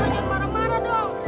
yang marah marah dong